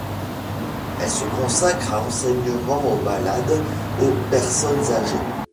Elles se consacrent à l'enseignement, aux malades, aux personnes âgées.